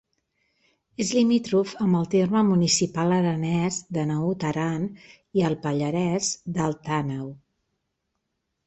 És limítrof amb el terme municipal aranès de Naut Aran i el pallarès d'Alt Àneu.